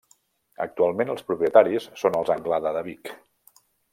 Actualment els propietaris són els Anglada de Vic.